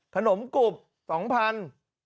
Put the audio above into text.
ขนมกรุบ๒๐๐บาท